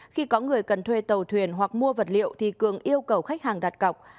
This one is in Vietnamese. khi có người cần thuê tàu thuyền hoặc mua vật liệu thì cường yêu cầu khách hàng đặt cọc